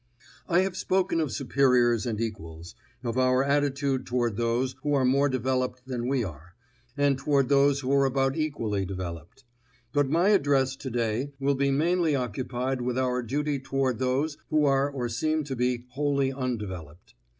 I have spoken of superiors and equals, of our attitude toward those who are more developed than we are, and toward those who are about equally developed; but my address to day will be mainly occupied with our duty toward those who are or seem to be wholly undeveloped.